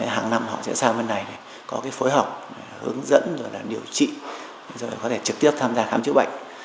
hàng năm họ sẽ sang bên này có phối hợp hướng dẫn điều trị rồi có thể trực tiếp tham gia khám chữa bệnh